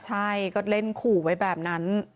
ใช่ก็เล่นขู่ไว้แบบนั้น